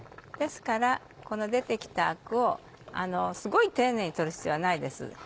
ですからこの出て来たアクをすごい丁寧に取る必要はないです。